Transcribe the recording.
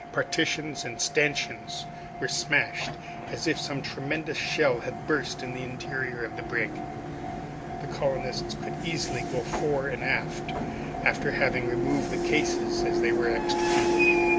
Partitions and stanchions were smashed, as if some tremendous shell had burst in the interior of the brig. The colonists could easily go fore and aft, after having removed the cases as they were extricated.